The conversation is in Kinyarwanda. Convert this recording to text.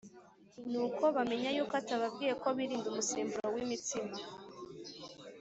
Nuko bamenya yuko atababwiye ko birinda umusemburo w’imitsima,